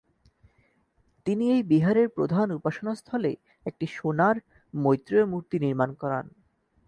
তিনি এই বিহারের প্রধান উপাসনাস্থলে একটি সোনার মৈত্রেয় মূর্তি নির্মাণ করান।